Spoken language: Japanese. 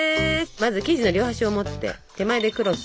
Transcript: まず生地の両端を持って手前でクロス。